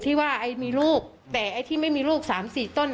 ที่ว่าไอ้มีรูปแต่ไอ้ที่ไม่มีรูป๓๔ต้น